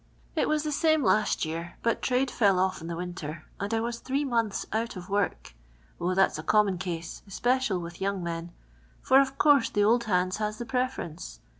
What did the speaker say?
It was the same last year, but trade fell off in the winter, and I was three months out of work. 0, that 's a common case, especial with ycur.g men, for of course the old hands has the preference.